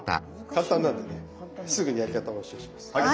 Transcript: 簡単なんでねすぐにやり方をお教えします。